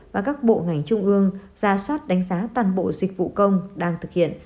và các bộ ngành trung ương ra soát đánh giá toàn bộ dịch vụ công đang thực hiện